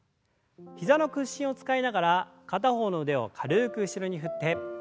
膝の屈伸を使いながら片方の腕を軽く後ろに振って。